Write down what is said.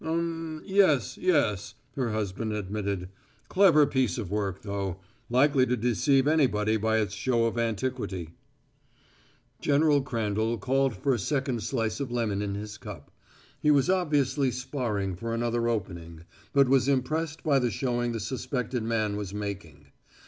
"Um yes, yes," her husband admitted. "Clever piece of work, though. Likely to deceive anybody by its show of antiquity." General Crandall called for a second slice of lemon in his cup. He was obviously sparring for another opening, but was impressed by the showing the suspected man was making.